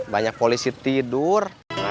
banyak polisi tidur